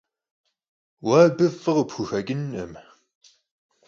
Vue abı f'ı khıpxuxeç'ınkhım.